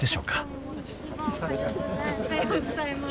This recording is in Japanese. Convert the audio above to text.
おはようございます。